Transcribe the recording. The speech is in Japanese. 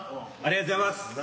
ありがとうございます。